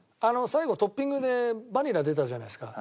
最後トッピングでバニラ出たじゃないですか。